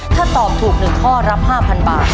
ถ้าตอบถูก๑ข้อรับ๕๐๐บาท